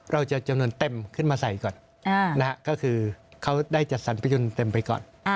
เราจะจำนวนเต็มขึ้นมาใส่ก่อนนะฮะก็คือเขาได้จัดสรรพิจุนเต็มไปก่อน